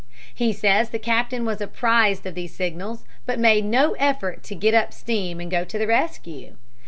He says the captain was apprised of these signals, but made no effort to get up steam and go to the rescue.